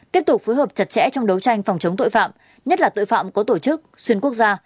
tiếp tục phối hợp chặt chẽ trong đấu tranh phòng chống tội phạm nhất là tội phạm có tổ chức xuyên quốc gia